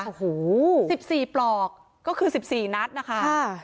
โอ้โห๑๔ปลอกก็คือ๑๔นัดนะคะ